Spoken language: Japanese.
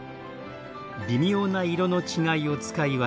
微妙な色の違いを使い分け